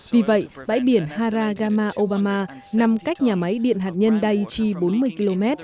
vì vậy bãi biển haragama obama nằm cách nhà máy điện hạt nhân daichi bốn mươi km